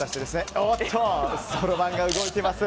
そろばんが動いています。